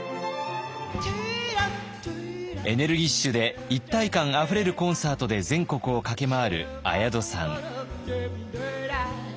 エネルギッシュで一体感あふれるコンサートで全国を駆け回る綾戸さん。